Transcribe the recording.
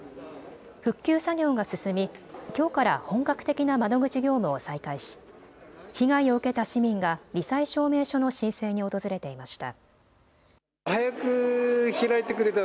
復旧作業が進み、きょうから本格的な窓口業務を再開し被害を受けた市民がり災証明書の申請に訪れていました。